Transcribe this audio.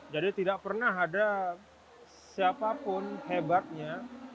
jadi tidak pernah ada siapapun hebatnya